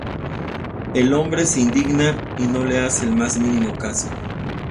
El hombre se indigna y no le hace el más mínimo caso.